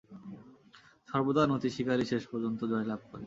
সর্বদা নতিস্বীকারই শেষ পর্যন্ত জয়লাভ করে।